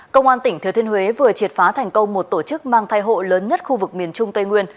công an tỉnh thừa thiên huế vừa triệt phá thành công một tổ chức mang thai hộ lớn nhất khu vực miền trung tây nguyên